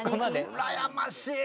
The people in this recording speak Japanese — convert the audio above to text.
うらやましい！